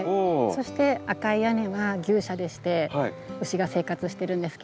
そして赤い屋根は牛舎でして牛が生活してるんですけど。